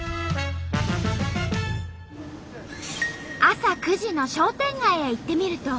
朝９時の商店街へ行ってみると。